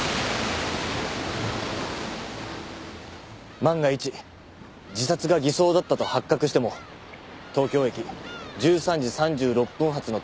万が一自殺が偽装だったと発覚しても東京駅１３時３６分発の東北新幹線に乗り